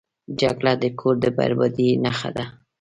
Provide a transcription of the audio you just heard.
جګړه د کور د بربادۍ نښه ده